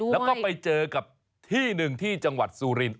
แล้วก็ไปเจอกับที่หนึ่งที่จังหวัดสุริน